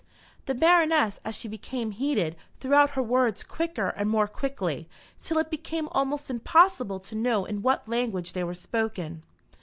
The Baroness, as she became heated, threw out her words quicker and more quickly, till it became almost impossible to know in what language they were spoken.